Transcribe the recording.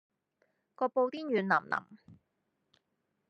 個布甸軟腍腍